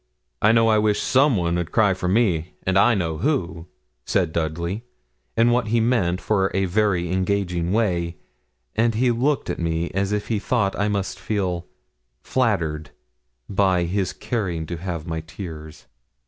'I know I wish some one 'ud cry for me, and I know who,' said Dudley, in what he meant for a very engaging way, and he looked at me as if he thought I must feel flattered by his caring to have my tears.